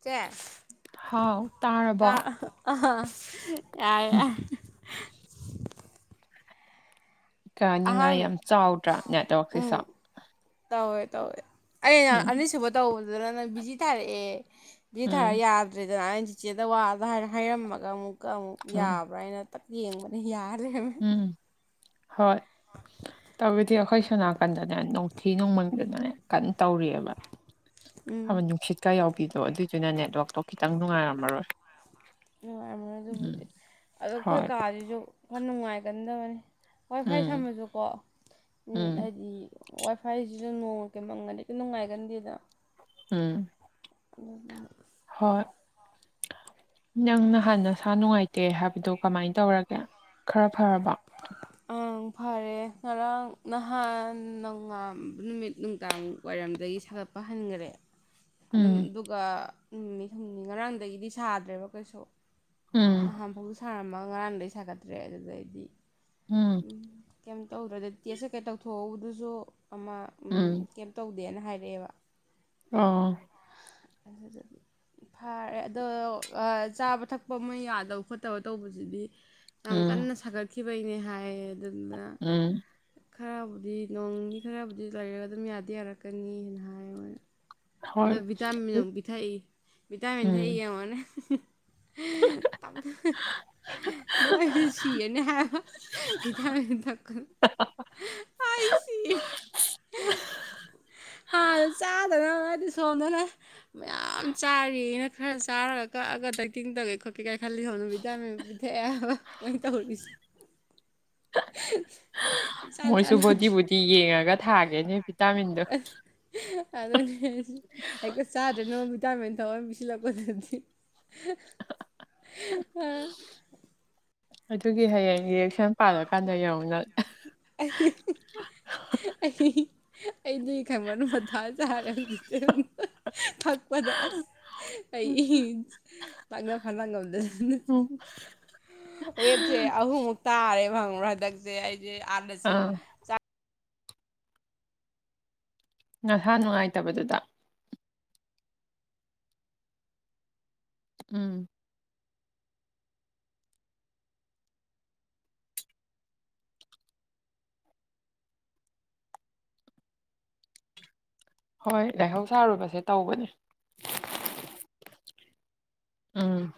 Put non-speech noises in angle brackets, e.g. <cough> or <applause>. ꯆꯦ ꯍꯥꯎ ꯇꯥꯔꯕꯣ ꯑ ꯌꯥꯔ ꯀꯅꯤꯡꯉꯥꯏ ꯑꯍꯥꯟ ꯌꯥꯝ ꯆꯥꯎꯗ꯭ꯔꯥ ꯅꯦꯠꯋꯥꯛꯁꯤꯁꯨ ꯎꯝ ꯇꯧꯋꯦ ꯇꯧꯋꯦ ꯑ ꯅ ꯎꯝ ꯑꯅꯤꯁꯨꯕ ꯇꯧꯕꯗꯨꯗꯅ ꯅꯪ ꯕꯤꯖꯤ ꯊꯥꯔꯛꯑꯦ ꯊꯥꯔ ꯎꯝ ꯌꯥꯗ꯭ꯔꯦꯗꯅ ꯑꯩꯅ ꯆꯤꯆꯦꯗ ꯋꯥꯗ ꯍꯥꯏꯔꯝꯃꯒ ꯑꯃꯨꯛꯀ ꯑꯃꯨꯛ ꯎꯝ ꯌꯥꯕ꯭ꯔꯥ ꯑꯩꯅ ꯌꯦꯡꯕꯅꯦ ꯌꯥꯔꯦ ꯎꯝ ꯍꯣꯏ ꯇꯕꯨꯗꯤ ꯑꯩꯈꯣꯏ ꯁꯣꯅꯥꯀꯟꯗꯅꯦ ꯅꯣꯡꯊꯤ ꯅꯣꯡꯃꯟꯗꯅꯅꯦ ꯀꯟꯅ ꯇꯧꯔꯤꯑꯕ ꯍ ꯎꯝ ꯅꯨꯡꯁꯤꯠꯀ ꯌꯥꯎꯕꯤꯗꯣ ꯑꯗꯨꯏꯗꯨꯅ ꯅꯦꯠꯋꯥꯛꯇꯣ ꯈꯤꯇꯪ ꯅꯨꯡꯉꯥꯏꯔꯝꯃꯔꯣꯏ ꯅꯨꯡꯉꯥꯏꯔꯕ ꯎꯝ ꯑꯗꯨꯕꯨꯗꯤ ꯑꯗꯣ ꯑꯩꯈꯣꯏ ꯍꯣꯏ ꯀꯥꯁꯤꯁꯨ ꯈꯔ ꯅꯨꯡꯉꯥꯏꯒꯟꯗꯕꯅꯤ ꯍꯣꯏ ꯐꯣꯏ ꯎꯝ ꯁꯝꯃꯁꯨꯀꯣ ꯎꯝ ꯍꯥꯏꯗꯤ ꯋꯥꯏ ꯐꯥꯏꯁꯤꯁꯨ ꯅꯣꯡꯃ ꯀꯩꯝꯃꯪꯒꯅꯤꯗꯤ ꯀꯩ ꯅꯨꯡꯉꯥꯏꯒꯟꯗꯦꯗ ꯎꯝ ꯀꯅ ꯍꯣꯏ ꯅꯪ ꯅꯍꯥꯟ ꯅ ꯁꯥ ꯅꯨꯡꯉꯥꯏꯇꯦ ꯍꯥꯏꯕꯗꯨꯣ ꯀꯃꯥꯏꯅ ꯇꯧꯔꯒꯦ ꯈꯔ ꯐꯔꯕ ꯑ ꯐꯔꯦ ꯉꯔꯥꯡ ꯅꯍꯥꯟ ꯅꯉꯥꯥꯟꯕ ꯅꯨꯃꯤꯠ ꯅꯨꯡꯗꯥꯡ ꯋꯥꯏꯔꯝꯗꯒꯤ ꯁꯥꯒꯠꯄ ꯍꯟꯈꯔꯦ ꯑꯗꯨꯝ ꯎꯝ ꯑꯗꯨꯒ ꯅꯨꯃꯤꯠ ꯍꯨꯝꯅꯤ ꯉꯔꯥꯡꯗꯒꯤꯗꯤ ꯁꯥꯗ꯭ꯔꯦꯕ ꯀꯩꯁꯨ ꯎꯝ ꯅꯍꯥꯟ ꯐꯥꯎꯗ ꯁꯥꯔꯝꯃꯒ ꯉꯔꯥꯡꯗꯩ ꯁꯥꯒꯠꯇ꯭ꯔꯦ ꯑꯗꯨꯗꯩꯗꯤ ꯎꯝ ꯀꯩꯝ ꯇꯧꯗ꯭ꯔꯗ ꯇꯦꯁ ꯀꯩꯀꯩ ꯇꯧꯊꯣꯛꯍꯧꯕꯗꯨꯁꯨ ꯑꯃ ꯎ ꯎꯝ ꯀꯩꯝ ꯇꯧ ꯗꯦꯅ ꯍꯥꯏꯔꯛꯑꯦꯕ ꯑꯣ <unintelligible> ꯐꯔꯦ ꯑꯗꯣ ꯆꯥꯕ ꯊꯛꯄ ꯑꯃ ꯌꯥꯗꯕ ꯈꯣꯠꯇꯕ ꯇꯧꯕꯗꯨꯗꯤ ꯌꯥꯝ ꯎꯝ ꯀꯟꯅ ꯁꯥꯒꯠꯈꯤꯕꯩꯅꯦ ꯍꯥꯏꯌꯦ ꯑꯗꯨꯗ ꯎꯝ ꯈꯔꯕꯨꯗꯤ ꯅꯣꯡꯅꯤ ꯈꯔꯕꯨꯗꯤ ꯂꯩꯔꯒ ꯑꯗꯨꯝ ꯌꯥꯗꯤ ꯌꯥꯔꯛꯀꯅꯤ ꯍꯥꯏꯅ ꯍꯥꯏꯌꯦ ꯃꯣꯏꯅ ꯍꯣꯏ ꯑꯗꯣ ꯚꯤꯇꯥꯃꯤꯟ ꯑꯃꯨꯛ ꯄꯤ ꯊꯛꯏ ꯚꯤꯇꯥꯃꯤꯟ ꯊꯛꯏ ꯌꯦꯡꯉꯣꯅꯦ ꯍ ꯇꯥꯕꯗꯤ ꯅꯣꯡ ꯑꯩꯁꯨ ꯁꯤꯔꯅꯤ ꯍꯥꯏꯕ ꯏꯥꯡ ꯍꯊꯀ ꯑꯁꯤ ꯍ ꯆꯥꯗꯅꯅꯤ ꯁꯣꯝꯗꯅ ꯃꯌꯥꯝ ꯆꯥꯔꯤꯅ ꯈꯔ ꯆꯥꯔꯒ ꯀꯛꯑꯒ ꯗ ꯇꯤꯡꯗꯒꯩꯣ ꯀꯥꯏ ꯈꯜ ꯍꯅꯨꯕꯤꯗ ꯄꯊꯦ ꯃꯣꯏ ꯏ ꯇꯁꯤ ꯃꯣꯏꯁꯨ ꯕꯣꯗꯤꯤ ꯆꯥꯟꯅꯗ꯭ꯔꯦ ꯕꯣꯗꯤꯤ ꯌꯦꯡꯉꯒ ꯊꯥꯒꯦꯅꯦ ꯚꯤꯇꯥꯃꯤꯟꯗꯣ ꯑꯗꯨ ꯍꯦꯛꯇ ꯆꯥꯗ꯭ꯔꯅ ꯚꯇꯥꯃꯤꯟ ꯊꯧꯔ ꯑꯃ ꯄꯤꯁꯤꯜꯂꯛꯄꯗꯗꯤ <unintelligible> ꯑꯗꯨꯒꯤ ꯍꯌꯦꯡ ꯔꯤꯌꯦꯁꯟ ꯄꯥꯜꯂꯀꯥꯟꯗ ꯌꯦꯡꯎꯅꯪ <unintelligible> ꯑꯩ ꯑꯩꯗꯤ ꯈꯪꯕꯟ ꯃꯊꯥꯖ ꯍꯥꯏꯔꯦ ꯍꯧꯖꯤꯛꯁꯦ ꯑꯁ ꯎꯝ ꯑꯩ ꯇꯥꯛꯅ ꯐꯅ ꯉꯝꯗꯅꯤ ꯑꯣꯝ ꯋꯦꯠꯁꯦ ꯑꯍꯨꯝꯃꯨꯛ ꯇꯥꯔꯦꯕ ꯈꯪꯕꯔꯥ ꯍꯟꯗꯛꯁꯦ ꯑꯩꯁꯦ ꯑꯗꯥꯁꯨ ꯑꯥ ꯅꯍꯥꯟ ꯅꯨꯡꯉꯥꯏꯇꯕꯗꯨꯗ ꯎꯝ ꯍꯣꯏ ꯂꯥꯏꯍꯧ ꯁꯥꯔꯨꯕꯁꯦ ꯇꯧꯕꯅꯦ ꯎꯝ